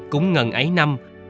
cũng gần ấy năm